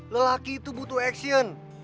lelaki itu butuh aksion